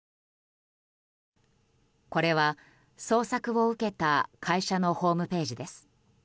これは、捜索を受けた会社のホームページです。